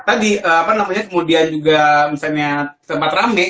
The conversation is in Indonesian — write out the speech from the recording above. tadi apa namanya kemudian juga misalnya tempat rame